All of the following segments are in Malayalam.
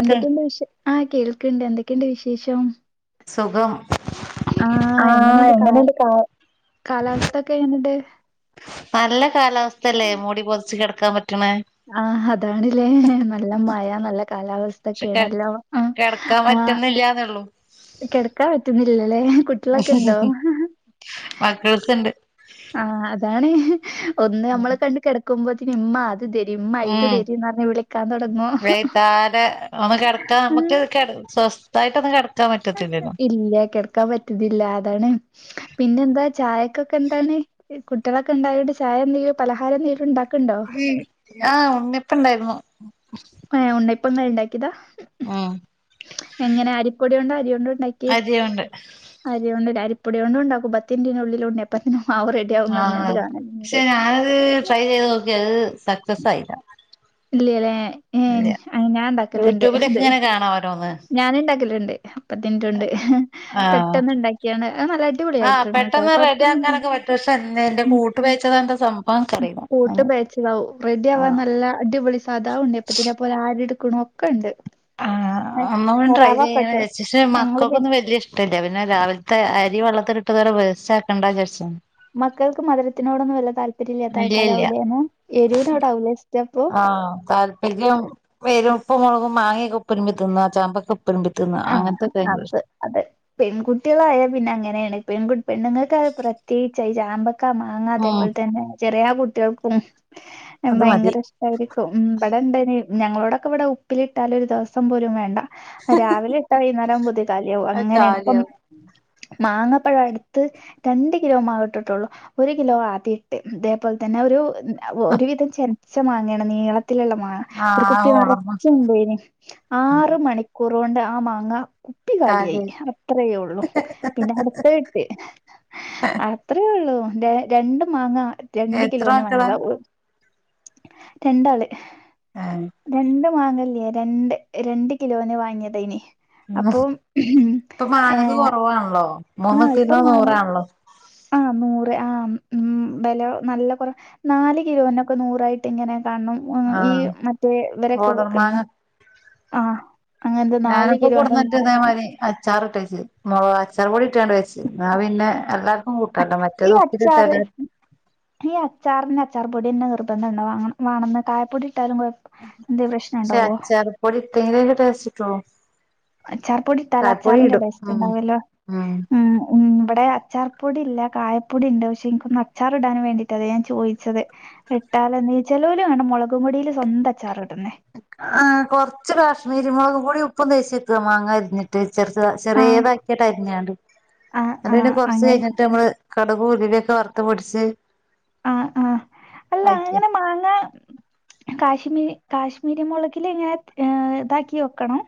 എന്തൊക്കെയണ്ട് വിശേ ആഹ് കേൾക്ക്ണ്ട് ന്തൊക്കെയുണ്ട് വിശേഷം സുഖം ആഹ് എങ്ങനെയണ്ട് കാ കാലാവസ്ഥൊക്കെ എങ്ങനെണ്ട് നല്ല കാലാവസ്ഥയല്ലേ മൂടി പൊതച്ച് കിടക്കാൻ പറ്റ്ണ ആഹ് അതാണ്ല്ലേ നല്ല മഴ നല്ല പക്ഷെ കാലാവസ്തക്കെയാണല്ലോ കിടക്കാൻ പറ്റുന്ന ഇല്ലാന്നൊള്ളൂ കിടക്കാൻ പറ്റുന്നില്ലല്ലേ കു മക്കൾസ്ണ്ട് ആഹ് അതാണ് ഒന്ന് നമ്മള് കണ്ട് കിടക്കുമ്പോത്തിന്ഉമ്മാ അ ത് തരി ഇമ്മ ഇത് ഉം തരിന്ന് പറഞ്ഞ് വിളിക്കാൻ തൊടങ്ങു കെട് സ്വസ്ഥായിട്ടൊന്ന് കെട് ഇല്ല കിടക്കാൻ പറ്റുന്നില്ല അതാണ് പിന്നെ എന്താ ചായക്കൊക്കെന്താണ് കുട്ടികളൊക്കെ ഉണ്ടായോണ്ട് ചായ എന്തേലും പലഹാരം എന്തേലും ണ്ടാ ആഹ് ഉണ്ണ്യപ്പംണ്ടായിരുന്നു ഏഹ് ഉണ്ണ്യപ്പം ങ്ങള് ണ്ടാക്കിയതാ ഉം എങ്ങനെ അരിപ്പൊടിയോണ്ടോ അരി യോണ്ടോ ഉണ്ടാക്കിയെ അരിയുണ്ട് അരിയോണ്ട് ലേ അരിപ്പൊടി യോ ണ്ടും ണ്ടാക്കും പത്തിന് ന്റിന്റെഉള്ളില് ഉണ്ണിയപ്പത്തിന് മാവ് റെഡി ആഹ് പക്ഷെ ഞാനത് ട്രൈ ചെയ്ത് നോക്കിയത് സക്സസ് ആയില്ല ഇല്ലലേ ഇല്ല ഏഹ് ഞാൻണ്ടാക്കല്ണ്ട് യൂട്യൂബിലൊക്കെ അത് ഇങ്ങനെ കാണാം ഓരോന്ന് ഞാന്ണ്ടാക്കല്ണ്ട് പ്പത്തിൻറ്റോണ്ട് ആഹ് പെട്ടന്ന്ണ്ടാക്കിയാണ് അ നല്ല അടിപൊളിയായിട്ടുന്നട്ടോ കൊഴപ്പൊന്നുല്ല ക്ഷെ എന്റെ ഉം കൂട്ട്പെയ്ച്ചതാ എന്തസം കൂട്ട് പെയ്ച്ചതാവും റെഡിവാൻ ആഹ് നല്ല അടിപൊളി സാധാഉണ്ണി അപ്പതിനെ പോലെ ആരെട്ക്ക്‌ണൊക്കെണ്ട് ആഹ് ഒന്നുടിം ട്രൈ ചെയ്യണവിചാരിച്ചു ക്ഷെ ഞങ്ങള് പി മക്കക്കൊന്നും വല്യ ഇഷ് ട്ടില്ല പിന്നെ രാവിൽത്തെ അരി വെള്ളത്തില്ഇട്ട്ക വേസ്റ്റ്ആക്കണ്ടാവിചാരിച്ച് മക്കൾക്ക് മധരത്തിനോടൊന്നും വല്ല താല്പര്യല്ലാത്ത ഇല്ല ഇല്ല ആൾക്കാരാവുലേന്ന് എരൂനോടവുലേ ഇഷ്ട്ടം അപ്പൊ ആ താല്പര്യം വരപ്പ മുളകും മാങ്ങെ ഉപ്പിനുംമ്പി തിന്ന ചാമ്പയ്ക്ക ഉപ്പിനമ്പിതിന്ന ആഹ് അത് അത് പെൺകുട്ടിളായാ പിന്നെ അങ്ങനെയാണ് പെൺകു പെണ്ണുങ്ങൾക്ക്ക്ക പ്രത്യേകിച്ച് ഈ ചാമ്പ ക്ക മാങ്ങ ഉം അതേപോൽതന്നെ ചെറിയകുട്ടിൾക്കും അത് മതി ഭയങ്കര ഇഷ ടായിരിക്കും ഉം ഇബടെണ്ടേനി ഞങ്ങളോടൊക്കെ ഇവിടെ ഉപ്പിലിട്ടാലൊര് ദിവസംപോലുംവേണ്ട രാവിലെട്ടാ വൈന്നാരവുമ്പോത്തിന് കാലിയാവും അത് അങ്ങനെണ്പ്പം കാലിയാവും മാങ്ങപ്പഴട്ത്ത് രണ്ട കിലോ മാവ്ട്ടിട്ടുള്ളൂ ഒരു കിലോ ആദ്യട്ട് ഇതേപോൽതന്നെ ഒരു ഒരുവിധം ചെൻച്ച മാങ്ങേണ് നീളത്തില്ള്ള മാ ഒരു കുപ്പി ആഹ് ഓളമ്മ നറച്ച്ണ്ടേനി ആറ് മണിക്കൂറോണ്ട് ആ മാങ്ങ കു പ്പി കാലിയായി അത്രയൊള്ളൂ പിന്നെ അടുത്തയിട്ട് അത്രയൊള്ളു രണ്ട്മാങ്ങ രണ്ട് എത്ര കിലോന് മക്കളാ വാങ്ങിയതാ രണ്ടാള് രണ്ട് വാങ്ങല്ലേ രണ്ട് രണ്ട് കിലോന് വാങ്ങിയതേനി ഏഹ് അപ്പൊ ഏഹ് പോണല്ലോ ആഹ് ഇപ്പം മാങ്ങക്ക്‌ ആ നൂറ് ആഹ് ഉം ബെല നല്ല കൊറ നാല് കിലോനൊക്കെ നൂറായിട്ട് ഇങ്ങനെ കാണും ആഹ് ഈ മറ്റേ ഇവരൊക്കെ വിക്കന്ന് നാല് കിലോന് ഞാനക്കെകൊട്ന്നിട്ട് മാങ്ങ ഇതേമാരി അച്ചാറ്ട്ട് വെച്ച് മൊളോ അച്ചാർപൊടിട്ടാണ്ട് വെച്ച് ന്നാപിന്നെ എല്ലാ പ്പം കൂട്ടണ്ട ഈ മറ്റേത് അച്ചാറ് ഉപ്പിലിട്ടത് ഈ അച്ചാറ്ന് അച്ചാർപൊടിന്നെ നിർബന്ധണ്ട വാങ്ങ വാണന്ന് കായപ്പൊടിട്ടാലും കൊഴ എന്തെ പ്രശ്നണ്ടാവോ പൊടിട്ടേനന്ന ടേസ്റ്റിട്ടൊള്ളു അച്ചാർ പൊടിട്ടാല അച്ചാറിന്റെ ഉം ടെസ്റ്റ്ഉണ്ടാവല്ലോ ഉം ഉം ഇവിടെ അച്ചാർപൊടില്ല കായപ്പൊടിണ്ട് പക്ഷെ ഇൻക്കൊന്ന് അച്ചാർഇടാനുവേണ്ടീട്ട് അതെ ഞാൻചോയ്ച്ചത് ഇട്ടാലനി ചെലോല്കാണാ മൊളകുംപൊടീല് സ്വന്ത അച്ചാറ് ഇടുന്നേ ആ കൊർച്ച് കാശ്മീരി മൊളകുംപൊടിം ഉപ്പും തേച്ചെക്ക മാങ്ങ അരിഞ്ഞി ട്ട് ചെർതാ ആഹ് ചെറീതാക്കിട്ടര്ഞാണ്ട് ആഹ് ന്നട്ട്പിന്നെ ആഹ് കൊർച്ച് അങ്ങനെ കഴിഞ്ഞിട്ട് നമ്മള് കടകു ഉലുവിയൊക്കെ വറുത്ത്പൊടിച്ച് ആഹ് ആഹ് അല്ല അങ്ങനെമാങ്ങ കാശ്മീ കാശ്മീരി മുളകിൽ ഇങ്ങനെ ഇതാക്കിവെക്കണം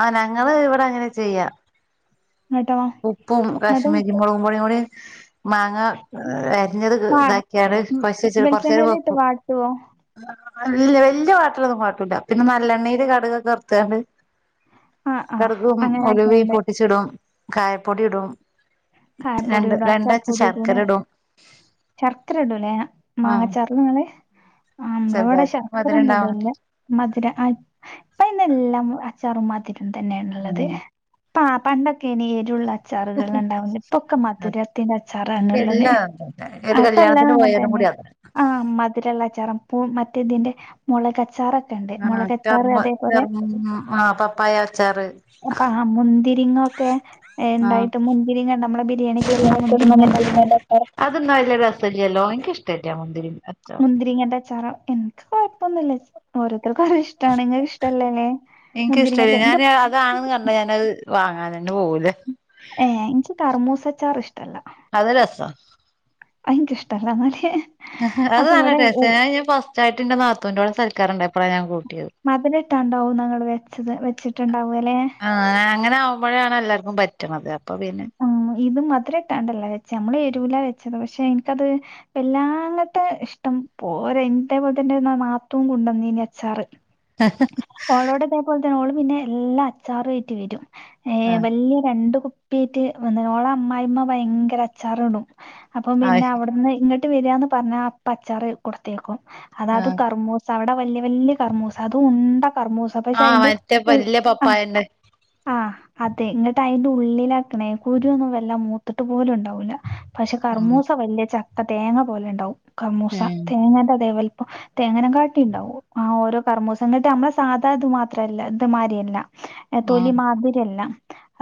ആഹ് ഞങ്ങള് ഇവിടെ അങ്ങനെചെയ്യാ എന്നിട്ടോ ഉപ്പും എന്നിട്ട് കാശ്മീരി മുളകുംപൊടികൂടി മാങ്ങ അരിഞ്ഞത് വാ ഇതാക്കിയാണ് കൊച്ച് വെളിച്ചെണ്ണയിലിട്ട് കൊറച്ചേരവെക്കും വാട്ടുവോ ഇല്ല്യ വല്യ വാട്ടലൊന്നും വാട്ടൂല പിന്നെ നല്ലെണ്ണീല് കടുകൊക്കെ വർത്താണ്ട് ആഹ് ആഹ് കട്കും ഉലുവി അങ്ങനാക്കിയാണ്ട് പൊട്ടിച്ചിടും കായപ്പൊടിടും കായപൊടിടും അച്ചാർപൊടീടു ലെ ഇടും ശർക്കര ഇടൂലേ ആഹ് മാങ്ങച്ചാർല്ങ്ങള് ആ നമ്മളവിടെ ചെറുതായിട്ട് മധുരം ഉണ്ടാവാൻ ശർക്കരൊന്നുടില്ല വേണ്ടിട്ട് മധുരം ആ ഇപ്പൊയ്നെല്ലാം അച്ചാറും മധുരം തന്നെണ്ള്ളത് ഉം ആഹ് പണ്ടൊക്കേനി എരുള്ള അച്ചാറ് ണ്ടാവ ഇപ്പൊക്കെ മധുരത്തിന്റെ ഇപ്പ അച്ചാറാണ്ള്ളത്. എല്ലാ ഒരു അപ്പല്ലാം കല്യാണത്തിന് അങ്ങനൻ പോയാലും തന്നെ കൂടി അതാ ആഹ് മധുരുള്ളച്ചാറ ഉപ്പും മറ്റേ ഇതിന്റെ മൊളകച്ചാറ ണ്ട് ആഹ് മൊളകച്ചാറ് ചെർമ അതേപോലെ ചെർമ ആഹ് പപ്പായ അച്ചാറ് ആ മുന്തിരിങ്ങൊക്കെ ആഹ് എന്തായിട്ട് മുന്തിരിങ്ങ നമ്മളെ ബിരിയാണിക്ക് ഇട്ണ മുന്തിരിങ്ങന്റെച്ചാറ് അതൊന്നും വല്ല്യ രസല്ല്യ ല്ലോ ഇൻക്ക് ഇഷ്ടല്ല മുന്തിരി മുന്തിരിങ്ങന്റെ അച്ചാറ് എൻക്ക് കൊഴ്പ്പൊന്നുല്ലേ ഓരോര്ത്തർക്ക് ഓരോ ഇഷ്ടാണ്. ഇങ്ങക്ക് ഇഷ്ടല്ലേ മുന്തിരിങ്ങച്ച ന്റെ അതാണന്ന് കണ്ട ഞാനത് വാങ്ങാനന്നെ പോവുല. ഏഹ് ഇൻക്ക് കർമൂസച്ചാറ് ഇഷ്ടല്ല. അത് രസാ അയ്ൻക്ക് ഇഷ്ടല്ലാ അത് നല്ല ടേസ്റ്റാ ഞാൻ ഫസ്റ്റായിട്ട് ന്റെ നാത്തൂന്റോടെ സൽക്കാരണ്ടായപ്പഴാ ഞാൻ കൂട്ടിയത്. മധുരട്ടാണ്ടാവും ന്നാ ങ്ങള് വെച്ചത് വെച്ചിട്ട്ണ്ടാവ ല്ലെ. ആഹ് അങ്ങനെ ആവുമ്പോഴാണ് എല്ലാർക്കും പറ്റ്ണത് അപ്പൊ പിന്നെ ഉം, ഇത് മധുരട്ടാണ്ടല്ല വെച്ച നമ്മള് എരൂലാ വെച്ചത് പഷേ ഇൻക്കത് എല്ലാങ്ങത്തെ ഇഷ്ടം പോര ഇതേ പോൽത്തന്റെ നാത്തൂൻ കുണ്ടന്നീനു അച്ചാറ്. ഹ ഓളോട് ഇതേപോലെ തന്നെ ഓള് പിന്നെ എല്ലാം അച്ചാറുയ്ട്ട് വരും. ഏ ആഹ് വല്ല്യ രണ്ട് കു പ്യാട്ട് വന്ന് ഓള അമ്മായിമ്മ ഭയങ്കര അച്ചാറ്ടും അപ്പം പിന്നെ ആഹ് അവ്ടുന്ന് ഇങ്ങ ട്ട് വരാന്ന് പർഞ്ഞ അപ്പ അച്ചാറ് കൊടുത്തേക്കും. അതാത് ആഹ് കർമൂ സ അവിടെ വല്യ വല്യ കർമ്മൂസ അതും ഉണ്ട കർമൂസ പഷേ അയ് ആഹ് ന്റെ മറ്റേ ഉ വല്യ അഹ് പപ്പായന്റെ ആഹ് അതെ ഇങ്ങട്ട് അയ്ന്റെ ഉള്ളിലാക്ക്ണേ. കുരുവൊന്നും വല്ലാ മൂത്ത്ട്ട് പോലും ഉണ്ടാവൂല പഷേ ഉം കർമൂസ വല്ല്യ ചക്ക തേങ്ങ പോലെണ്ടാവും. കർമൂസ ഉം തേങ്ങന്റെ അതേ വലിപ്പം തേങ്ങനെ കാട്ടി ഇണ്ടാവും ആ ഓരോ കർമുസ ന്നിട്ട് അമ്മളെ സാധാ ഇത് മാത്രല്ല ഇത് മാരിയല്ല. തൊലി ആഹ് മാതിരല്ല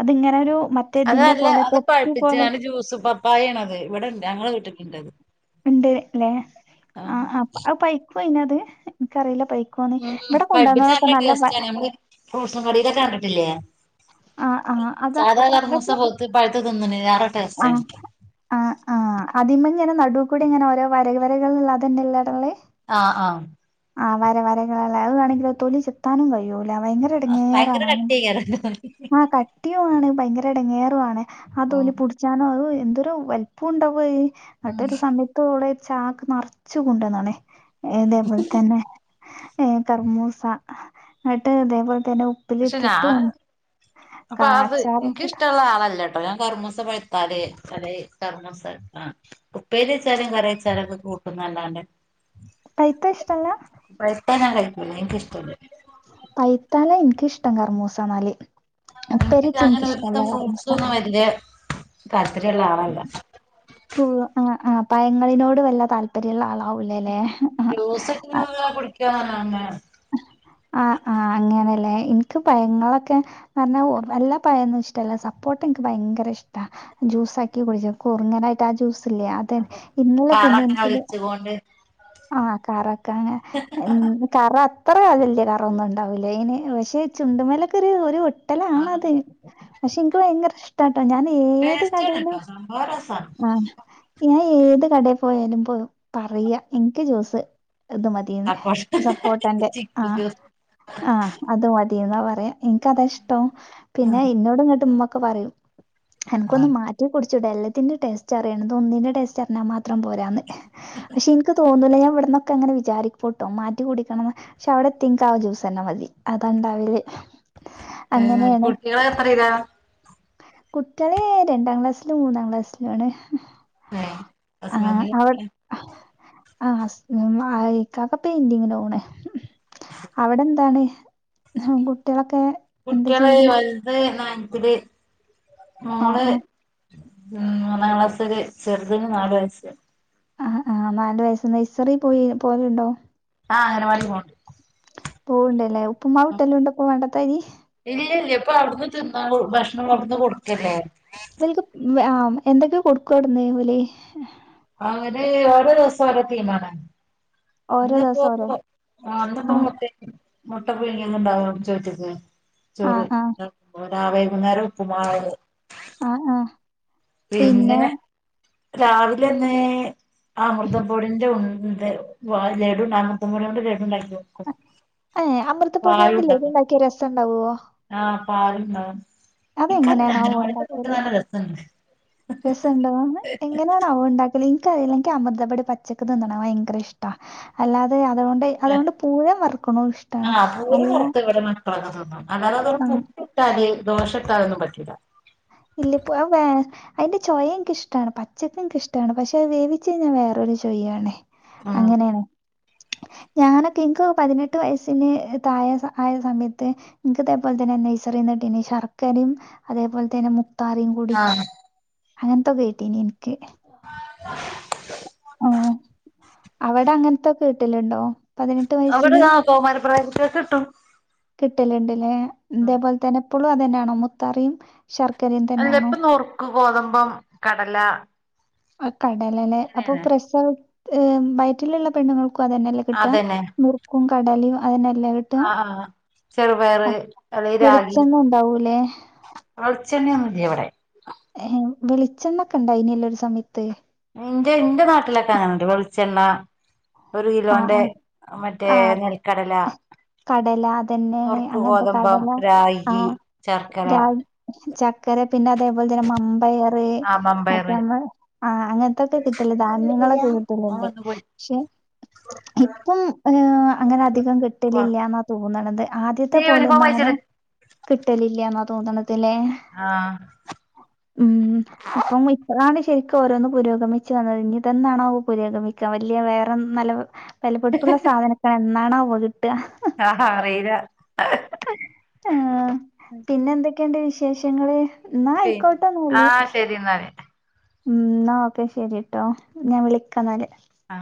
അതിങ്ങനെ ഒരു മ അത് നല്ല അത് പഴുപ്പിച്ചാണ്ട് ജ്യൂസ് പപ്പായാണ് അത് ഇവിടണ്ട് അങ്ങളെ വിട്ടില്ണ്ടത്. ഇണ്ട് ല്ലെ ആഹ് അ അത് പൈക്കോ അയിനത് ഇൻക്കറീല്ല പൈ ക്കോന്ന് ഉം ഇവടെ പഴുപ്പിച്ച കുണ്ടോന്നതൊക്കെ നല്ല പ ടേസ്റ്റാണ് നമ്മള് ഫ്രൂട്ട്സും കടേലൊക്കെ കണ്ടിട്ടില്ലേ ആ ആ അതാ സാധാ കർമോസ പ പഴ്ത്ത് തിന്ന്ണ്ലേറെ ആഹ് ആഹ് ആഹ് അതിമ്മെ ഇങ്ങനെ നടൂ കൂടിങ്ങനെ ഓരോ വര വരകൾള്ള അതെന്നെല്ലേ അവ്ടുള്ളേ ആഹ് ആഹ് ആ വര വരകള്ല്ലേ അത് വേണെങ്കിലോ തൊലി ചെത്താനും കയ്യൂല. ഭയങ്കര ഭയങ്കര എടങ്ങേറാണങ്ങ് കട്ടിയേക്കാരം ആ ക ട്ടിയും ആണ്. ഭയങ്കര എട്ങ്ങേറു ആണ്. ആ തൊലി ഉം പുട്ച്ചാനോ അത് എന്തൊരു വൽപ്പം ഉണ്ടാവോ അത് ന്നിട്ട് ഉം ഒരു സമയത്തോള് ര് ചാക്ക് നർച്ചു കുണ്ടന്ന്ണ്. ഇതേ പോലെ തന്നെ ഏഹ് കർമൂസ ന്നിട്ട് ഇതേപോലെ തന്നെ ഉ പഷേ ഞാന് അപ്പൊ അത് അച്ചാറിട്ട് എൻക്കിഷ്ടള്ള ആളല്ല ഇപ്പഴേ ഞാ കർമൂസ പഴുത്താലേ കർമ്മൂസ ആ ഉപ്പേരി വെച്ചാലും കറി വെച്ചാലൊക്കെ കൂട്ടുന്നല്ലാണ്ട് പഴ്ത്ത ഇഷ്ടല്ല. പഴ്ത്ത ഞാൻ കഴിക്കൂല എൻക്കിഷ്ടല്ല പൈത്താലെ ഇൻക്ക് ഇഷ്ടം കർമൂസ ന്നാല് ൻക്ക് അങ്ങനെ ഒരു വിധം ഫ്രൂട്ട്സൊന്നും വല്യ താല്പര്യം ഉള്ള ആളല്ല. ഉവ്വ് ആഹ് ആഹ് പയങ്ങളിനോട് വല്ല താല്പര്യള്ള ആളാവൂലല്ലേ. ജൂസ [unintelligible] കുടിക്കാന്നല്ലാണ്ട് ആഹ് ആഹ് അങ്ങനെല്ലേ ഇൻക്ക് പയങ്ങളൊക്കെ [unintelligible] എല്ലാ പയൊന്നും ഇഷ്ടല്ല. സപ്പോട്ട ഇൻക്ക് ഭയങ്കര ഇഷ്ടാ. ജ്യൂസാക്കി കുടിച്ചു കുറുങ്ങനായിട്ട് ആ ജ്യൂസില്ലേ അത ഇന്നലെ പിന്നെ എനിക്കത് പോണ്ട് ആഹ കാറൊക്കെങ്ങ എ കറ അത്ര വല്യ കറ ഒന്നും ഉണ്ടാവൂല ഐന് പക്ഷെ ചുണ്ടുമേലൊക്കെ ഒരു ഒരു ഒട്ട കിട്ടലാണത് ആഹ് പക്ഷെ ഇനിക്ക് ഭയങ്കര ഇഷ്ട ഇട്ടാട്ടോ ഞാൻ ഏത് ടേസ്റ്റാണ് കടയിലും ട്ടോ സംഭവം രസാണ് ആഹ ഞാൻ ഏത് കടയിൽ പോയാലും പോ പറയാ എനിക്ക് ജൂസ് ഇത് മതി ത് സപ്പോട്ട സപ്പോർട്ട്ന്റെ ചിക്കു ആഹ ജ്യൂസ് ആഹ് അത് മതിന്നാ പറയാ എനിക്ക് അതാ ഇഷ്ടം പിന്നെ ഇന്നോട് ഇങ്ങട്ട് ഉമ്മൊക്കെ പറയും ആഹ് അനക്കൊന്ന് മാറ്റി കുടിച്ചൂടെ എല്ലാത്തിന്റെ ടേസ്റ്റ് അറിയണം ഇത് ഒന്നിന്റെ ടേസ്റ്റ് അറിഞ്ഞ മാത് ത്രം പോരാന്ന് പക്ഷെ ഇനിക്ക് തോന്നുല ഞാൻ ഇവിടന്നൊക്കെ ഇങ്ങനെ വിചാരിരിക്കുട്ടോ മാറ്റി കുടിക്കണംന്ന് പക്ഷെ അവിടെ എത്തിയാൽ ആ ജ്യൂസന്നെ മതി അതാണ്ടാവല്. ഏ കുട്ട്യാള് എത്രയില? കുട്ട്യാൾ രണ്ടാം ക്ലാസ്സിലും മൂന്നാം ക്ലാസ്സിലുംആണ്. ഏഹ് ഹസ്ബൻഡ് [unintelligible] ആ ഹസ് ഇക്കാക്ക പെയിന്റിങ്ന് പോണ് അവിടെ എന്താണ് കുട്ട്യാളൊക്കെ. കുട്ട്യാള് വലുത് നയൻത്തിൽ ആഹ് മോള് ആഹ് മൂന്നാം ക്ലാസ്സിൽ ചെറുതിന് നാല് വയസ്സ്. ആഹ് ആഹ് നാല് വയസ് നൈസറിൽ പോയി പോവലുണ്ടോ? ആഹ അങ്ങനവാടി പോണ്ട് പോവ്ണ്ട്ല്ലേ ഉപ്പുമാവ് കിട്ടല് ഉണ്ടോ ഇപ്പോ പണ്ടത്തെ മാരി. ഇല്ല ഇല്ല ഇപ്പൊ അവിടുന്ന്തിന്നാ ഭക്ഷണം അവിടുന്ന് കൊടുക്കല്ലേ ഓൽക്ക് ഉം ആ എന്തൊക്കെ കൊടുക്കും അവിടെന്ന് ഓൽ. അവർ ഓരോ ദിവസം ഒരോ തീമാണ്. ഓരോ ഇന്ന്പ്പോ ദിവസം ഓരോ പ്പോ ആ ഇന്ന്പ്പോ ആഹ് മുട്ടണ്. മുട്ട പുഴ്‌ങ്ങിയത് ഇണ്ടാവും അത്‌ തൊലിച്ചു കൊട്ത്ത്ക്ക്ണു ചോറ് ആഹ് ആഹ് ഓലെ ആ വൈകുന്നേരം ഉപ്പ്മാവല്. ആഹ് ആഹ്. പിന്നെ രാവിലെന്നെ ആ അമൃതംപൊടിന്റെ ഉ ഇത് ലഡുണ്ട് അമൃതംപൊടി കൊണ്ട് ലഡുണ്ടാക്കി കൊട് ഏഹ് അമൃതപ്പൊടിയോണ്ട് ലഡു ഉണ്ടാവും ഉണ്ടാക്കിയാ രസം ഉണ്ടാവോ ആഹ് പാൽ ഇണ്ടാവും അതെങ്ങനെയാണവോ ഉണ്ടാക്കിയത് രസണ്ട് രസണ്ടവൊ എങ്ങനെയാണ് അവോ ഉണ്ടാക്ക ൽ ഇൻക്കറിയില്ല ഇൻക്ക് അമൃതപൊടി പച്ചക്ക് തിന്ന്ണത് ഭയങ്കര ഇഷ്ട അല്ലാതെ അതുകൊണ്ട്. അതുകൊണ്ട് പൂരം വറക്ക്ണതും ഇഷ്ടാണ് ആഹ് പൂരി നല്ല വറുത്ത് ആഹ്. പുട്ട് അത് ദോഷഇട്ടാലൊന്നും പറ്റില്ല. ഇല്ലിപ്പോ അത്‌ വേ അതിന്റെ ചൊയ ഇൻക്ക് ഇഷ്ടാണ് പച്ചക്ക് ഇഷ്ടാണ് പക്ഷെ അത് വേവിച്ച് കഴിഞ്ഞാ വേറൊരു ചൊയയാണ്. ഉം അങ്ങനേണ്. ഞാനൊക്കെ ഇനിക്ക് ഒക്കെ പതിനെട്ട് വയസ്സിന് തായെ ആയ സമയത്ത്. ഇൻക്ക് ഇതേപോലെ തന്നെ നൈസറീന്ന് കിട്ടിന്ന് ശർക്കരയും അതേപോലെ തന്നെ. അങ്ങനെ മുത്താറിം കൂടി ആഹ് അങ്ങനത്തൊക്കെ കിട്ടീനി ഇനിക്ക്. [unintelligible] ഉം. അവിടെ അങ്ങനത്തൊക്കെ കിട്ടലുണ്ടോ? പതിനെട്ട് അവിടെ വയസ്സിന് ആ കൗമാര പ്രായകുട്ട്യാക്ക് കിട്ടും. കിട്ടൽ ഇണ്ടല്ലേ ഇതേപോലെ തന്നെ ഇപ്പോഴും അതെന്നെയാണോ മുത്താറിയും ശർക്കരയും. അല്ല തന്നെയാണോ ഇപ്പൊ നുറുക്ക് ഗോതമ്പം കടല. ആ കടല അല്ലേ അപ്പൊ അങ്ങനെയാണ് പ്രസവ് വയറ്റിലുള്ള പെണ്ണുൾക്കും അതന്നെല്ലേ കിട്ട അതന്നെ നുർക്കും കടലിയും അതെന്നെല്ലെ കി ആഹ ആ ചെറുപയറ് അല്ലെക്കിൽ രാഗി. വെളിച്ചെണ്ണ ഉണ്ടാവൂലേ വെളിച്ചെണ്ണയൊന്നുഇല്ല ഇവിടെ. ഏഹ് വെളിച്ചെണ്ണൊക്കെ ഉണ്ടായിനല്ലോ ഒരു സമയത്ത്. ഇന്റെ ഇന്റെ നാട്ടിലൊക്കെ അങ്ങനെണ്ട് വെളിച്ചെണ്ണ. ഒരു ആഹ് കിലോന്റെ ആഹ് മറ്റേ ആഹ് നെൽക്കടല. കടല അതന്നെയാണ് നുറുക്ക് അങ്ങനത്തെ ഗോതമ്പം കടല ആ രാഗി ശർക്കര രാഗി. ചക്കര പിന്നെ അതേപോലെ തന്നെ മമ്പയർ ർ ആമമ്പയർ മറ്റേനമ്മൾ ആ അങ്ങനത്തൊക്കെ കിട്ടൽ ധാന്യങ്ങളൊക്കെ കിട്ടലുണ്ട് ഒന്ന് പോയി പക്ഷെ. ഇപ്പം ഏ അങ്ങനെ അധികം കിട്ടലില്ല എന്നാ തോന്നണത് ആദ്യത്തെ നീ യൂണിഫോം പോലെന്നും അങ്ങനെ. അഴിച്ചിട് കിട്ടലില്ലന്ന് തോന്നണത് ലെ ആഹ് ഉം ഇപ്പം ഇപ്പളാണ് ശെരിക്കും ഓരോന്ന് പുരോഗമിച്ചു വന്നത് ഇനിതെന്നാണോവോ പുരോഗമിക്കാ വല്ല്യാ വേറെന്ന്. നല്ല വെലപ്പെട്പ്പുള്ള സാധനോക്കെ എന്നാണാവോ കിട്ട. ആ ഹറീല. ആഅ പിന്നെ എന്തൊക്കെയുണ്ട് വിശേഷങ്ങള് ഇന്നാ ആയിക്കോട്ടെന്നല്. ശരിന്നാല്. ആ ന്നാ ഓക്കെ ശെരിട്ടോ ഞാൻ വിളിക്കന്നാല്. ആ.